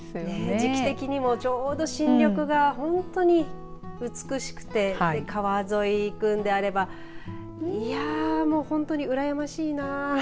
時期的にもちょうど新緑が本当に美しくて川沿いに行くのであれば本当にうらやましいな。